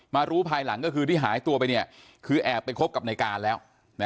รู้ภายหลังก็คือที่หายตัวไปคือแอบไปคบกับในการแล้ว